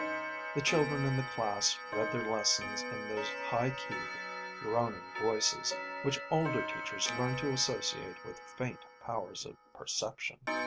The children in the class read their lessons in those high keyed, droning voices which older teachers learn to associate with faint powers of perception.